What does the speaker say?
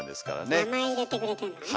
名前入れてくれてんのね。